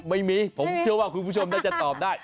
ไม่มีผมเชื่อว่าคุณผู้ชมน่าจะตอบได้